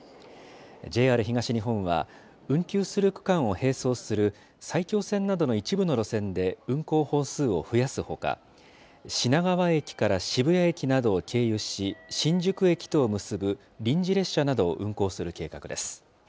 ＪＲ東日本は、運休する区間を並走する埼京線などの一部の路線で運行本数を増やすほか、品川駅から渋谷駅などを経由し、新宿駅とを結ぶ臨時列車などを運行する計画です。